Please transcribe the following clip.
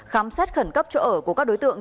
khám xét khẩn cấp chỗ ở của các đối tượng